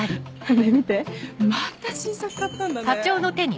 ねぇ見てまた新作買ったんだね。